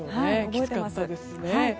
きつかったですね。